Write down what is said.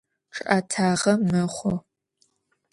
Ççı'etağe mexhu.